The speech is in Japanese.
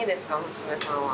娘さんは。